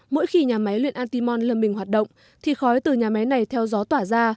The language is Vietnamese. mỗi khi nhà máy luyện antimon lâm mình hoạt động thì khói từ nhà máy này theo gió tỏa ra